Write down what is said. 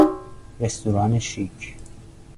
رستوران شیک